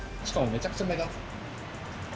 めちゃくちゃ目立つ。